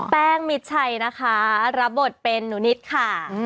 แป้งมิชัยนะคะรับบทเป็นหนุนิดคะ